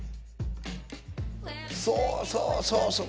そうそうそうそう！